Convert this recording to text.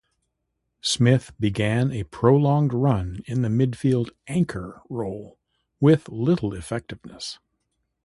Smith began a prolonged run in the midfield 'anchor' role, with little effectiveness.